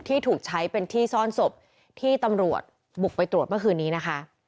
ที่ถูกใช้เป็นที่ซ่อนศพที่ตำรวจบุกไปตรวจเมื่อคืนนี้นะคะ